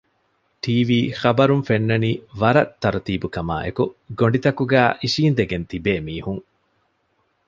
ޓީވީ ޚަބަރުން ފެންނަނީ ވަރަށް ތަރުތީބުކަމާއެކު ގޮޑިތަކުގައި އިށީނދެގެން ތިބޭ މީހުން